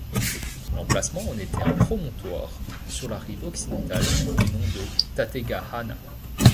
L'emplacement en était un promontoire sur la rive occidentale du nom de Tategahana.